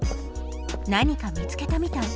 何か見つけたみたい。